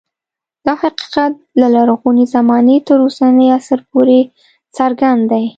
دا حقیقت له لرغونې زمانې تر اوسني عصر پورې څرګند دی